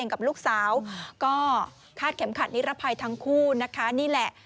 คาดเข็มขัดนิรภัยทั้งคู่นะคะนี่แหละ